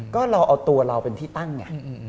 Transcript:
ก็เราเอาตัวเราเป็นที่ตั้งไง